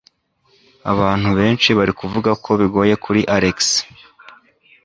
Abantu benshi bari kuvuga ko bigoye kuri Alex.